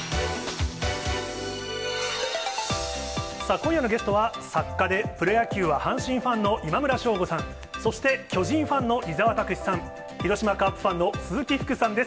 今夜のゲストは、作家でプロ野球は阪神ファンの今村翔吾さん、そして巨人ファンの伊沢拓司さん、広島カープファンの鈴木福さんです。